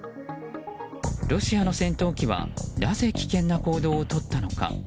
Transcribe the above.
ロシアの戦闘機はなぜ危険な行動をとったのか。